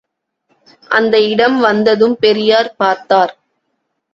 அந்த இடம், வந்ததும் பெரியார் பார்த்தார்.